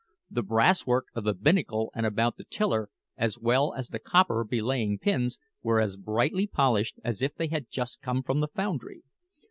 The brass work of the binnacle and about the tiller, as well as the copper belaying pins, were as brightly polished as if they had just come from the foundry.